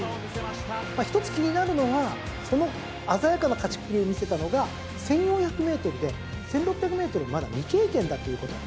まあ一つ気になるのはその鮮やかな勝ちっぷりを見せたのが１，４００ｍで１，６００ｍまだ未経験だということ。